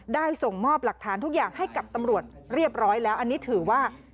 ส่งมอบหลักฐานทุกอย่างให้กับตำรวจเรียบร้อยแล้วอันนี้ถือว่า